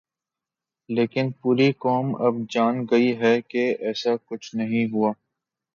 لیکن پوری قوم اب جان گئی ہے کہ ایسا کچھ نہیں ہوا۔